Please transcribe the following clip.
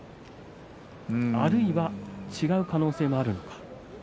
あるいは違う可能性もあるのか。